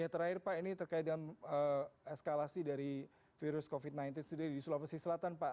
terakhir pak ini terkait dengan eskalasi dari virus covid sembilan belas sendiri di sulawesi selatan pak